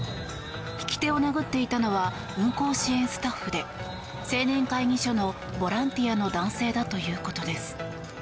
引き手を殴っていたのは運行支援スタッフで青年会議所のボランティアの男性だということです。